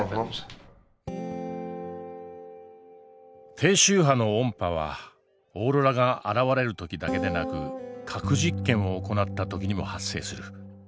低周波の音波はオーロラが現れる時だけでなく核実験を行った時にも発生する。